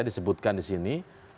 disebutkan di sini